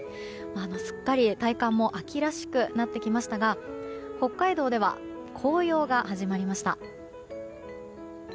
すっかり、体感も秋らしくなってきましたが北海道では紅葉が始まりました。